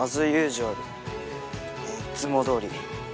いつもどおり。